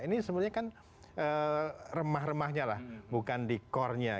ini sebenarnya kan remah remahnya lah bukan di core nya